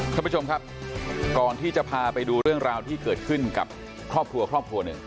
ท่านผู้ชมครับก่อนที่จะพาไปดูเรื่องราวที่เกิดขึ้นกับครอบครัวครอบครัวหนึ่ง